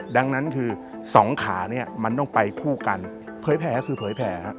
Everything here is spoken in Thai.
ดังนั้นคือ๒ขามันต้องไปคู่กันเผยแผ่คือเผยแผ่